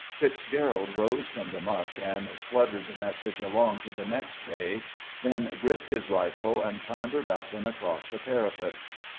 Fitzgerald rose from the muck and spluttered the message along to the next bay, then gripped his rifle and clambered up and across the parapet.